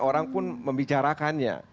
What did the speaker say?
orang pun membicarakannya